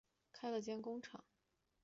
开了间工厂